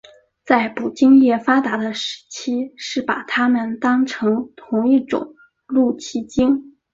在捕鲸业发达的时期是把它们当成同一种露脊鲸。